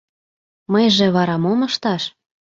Мыйже вара мом ышташ?